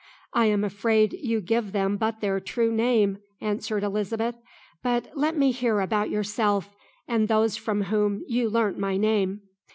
"I am afraid you give them but their true name," answered Elizabeth; "but let me hear about yourself, and those from whom you learnt my name."